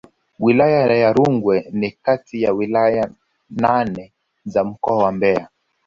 Wilaya ya Rungwe ni kati ya wilaya nane za mkoa wa Mbeya